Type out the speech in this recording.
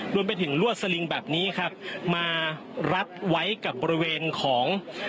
รวมไปถึงลวดสลิงแบบนี้ครับมารัดไว้กับบริเวณของ